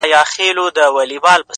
وران خو وراني كيسې نه كوي;